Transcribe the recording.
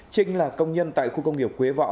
trinh là công nhân tại khu công nghiệp quế võ